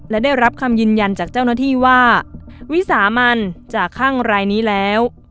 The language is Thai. และได้รับคำยืนยันจากเจ้าหน้าที่ว่าวิสามันจากข้างรายนี้แล้ว